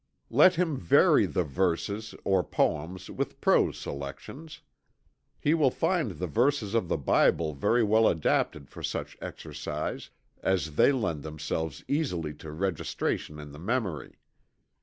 Let him vary the verses, or poems with prose selections. He will find the verses of the Bible very well adapted for such exercise, as they lend themselves easily to registration in the memory.